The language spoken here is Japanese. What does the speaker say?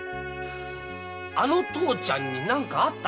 あの父ちゃんに何かあった！